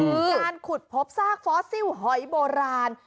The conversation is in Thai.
การขุดพบซากฟอสซิลหอยโบราณ